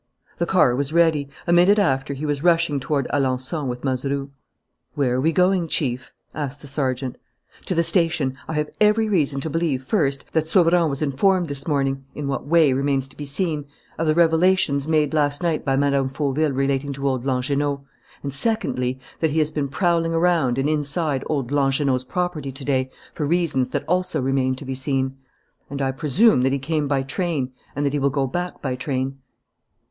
The car was ready. A minute after he was rushing toward Alençon with Mazeroux. "Where are we going, Chief?" asked the sergeant. "To the station. I have every reason to believe, first, that Sauverand was informed this morning in what way remains to be seen of the revelations made last night by Mme. Fauville relating to old Langernault; and, secondly, that he has been prowling around and inside old Langernault's property to day for reasons that also remain to be seen. And I presume that he came by train and that he will go back by train."